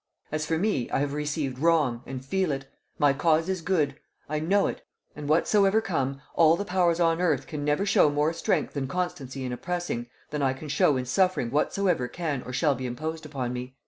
As for me, I have received wrong, and feel it. My cause is good; I know it; and whatsoever come, all the powers on earth can never show more strength and constancy in oppressing, than I can show in suffering whatsoever can or shall be imposed upon me."